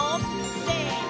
せの！